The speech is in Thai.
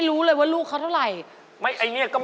ลูกเทนนิสถูกสุดเลยคุณออฟเนอะครับผม